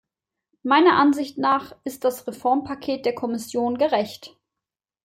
Meiner Ansicht nach ist das Reformpaket der Kommission gerecht.